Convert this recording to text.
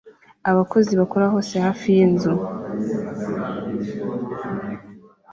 Abakozi bakora hose hafi yinzu